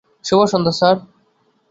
শুভ সন্ধ্যা স্যার।